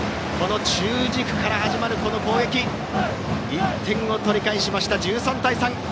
中軸から始まる攻撃で１点を取り返しました、１３対３。